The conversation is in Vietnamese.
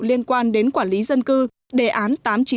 liên quan đến quản lý dân cư đề án tám trăm chín mươi chín